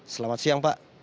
selamat siang pak